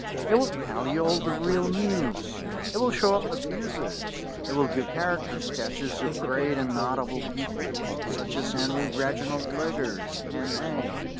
It will tell you all the real news. It will show up abuses. It will give character sketches of great and notable people, such as Henry Reginald Liggers, M.A.